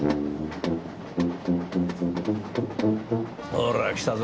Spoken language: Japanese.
ほら来たぞ。